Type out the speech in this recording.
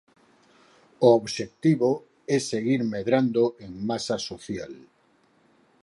O obxectivo é seguir medrando en masa social.